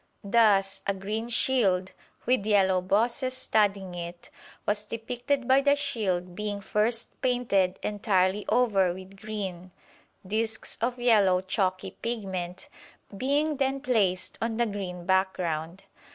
Thus a green shield with yellow bosses studding it was depicted by the shield being first painted entirely over with green, discs of yellow chalky pigment being then placed on the green background.